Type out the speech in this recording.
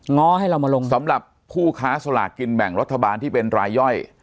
ง้อให้เรามาลงสำหรับผู้ค้าสลากกินแบ่งรัฐบาลที่เป็นรายย่อย